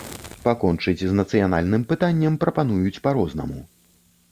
Пакончыць з нацыянальным пытаннем прапануюць па-рознаму.